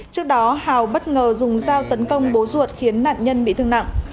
trước đó hào bất ngờ dùng dao tấn công bố ruột khiến nạn nhân bị thương nặng